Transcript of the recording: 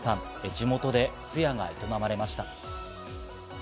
地元で通夜がいとなまれました。